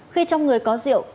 khi trong người có rượu